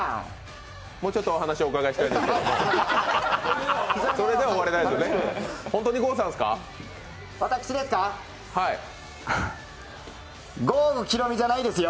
もうちょっとお話をお伺いしたいです。